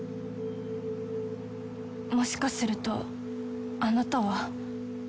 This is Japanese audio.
もしかするとあなたは。